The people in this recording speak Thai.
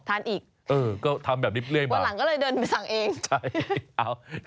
อีกเออก็ทำแบบนี้เรื่อยมาวันหลังก็เลยเดินไปสั่งเองใช่เอา